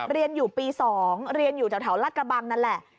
เรียนอยู่ปี๒เรียนอยู่แถวรัฐกระบังนั่นแหละ